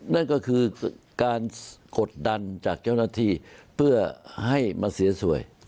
นั่นก็คือการกดดันจากเจ้าหน้าที่เพื่อให้มาเสียสวย